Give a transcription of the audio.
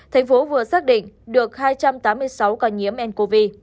thành phố vừa xác định được hai trăm tám mươi sáu ca nhiễm ncov